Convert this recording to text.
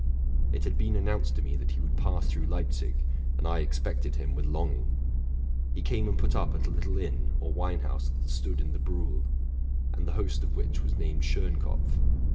It had been announced to me that he would pass through Leipzig, and I expected him with long ing. He came and put up at a little inn or wine house that stood in the Briuhl (Marsh), and the host of which was named Schénkopf.